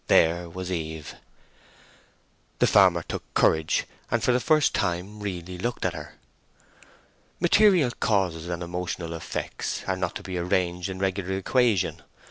there was Eve. The farmer took courage, and for the first time really looked at her. Material causes and emotional effects are not to be arranged in regular equation.